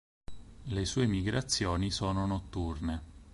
Le sue migrazioni sono notturne.